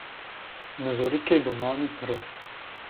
Mizorıkê domani pırro.